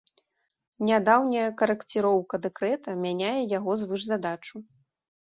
Нядаўняя карэкціроўка дэкрэта мяняе яго звышзадачу.